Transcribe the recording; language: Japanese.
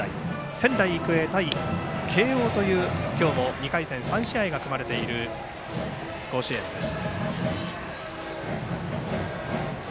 仙台育英対慶応という今日の２回戦３試合が組まれている甲子園です。